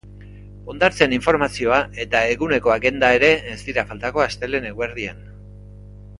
Hondartzen informazioa eta eguneko agenda ere ez dira faltako astelehen eguerdian.